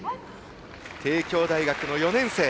帝京大学の４年生。